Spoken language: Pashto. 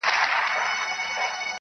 • هم ښکرونه هم یې پښې پکښی لیدلې -